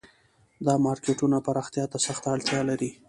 دا مارکیټونه پراختیا ته سخته اړتیا لري